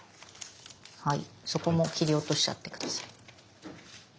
そこも切り落としちゃって下さい。